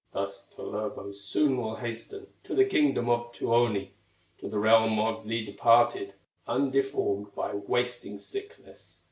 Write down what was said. Thus Kullervo soon will hasten To the kingdom of Tuoni, To the realm of the departed, Undeformed by wasting sickness."